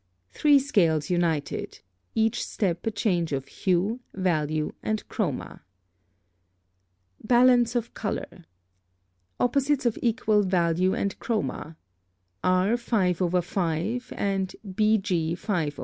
Three scales united, each step a change of hue, value, and chroma. Balance of color. Opposites of equal value and chroma (R 5/5 and BG 5/5).